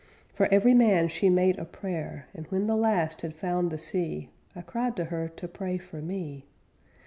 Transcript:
_ For every man she made a prayer; And when the last had found the sea, _I cried to her to pray for me.